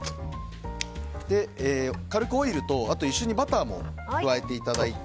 軽くオイルと、一緒にバターも加えていただいて。